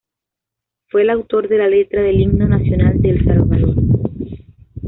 Fue el autor de la letra del Himno Nacional de El Salvador.